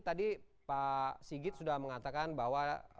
tadi pak sigit sudah mengatakan bahwa